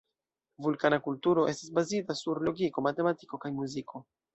Vulkana kulturo estas bazita sur logiko, matematiko kaj muziko.